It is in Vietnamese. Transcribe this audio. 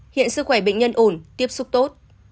hiện sức khỏe bệnh nhân ổn tiếp xúc tốt